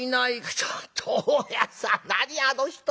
「ちょっと大家さん何あの人。